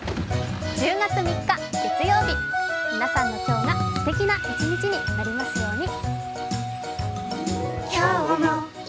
１０月３日月曜日、皆さんの今日がすてきな一日になりますように。